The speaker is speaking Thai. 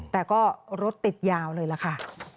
แต่ก็รถติดยาวเลยล่ะค่ะ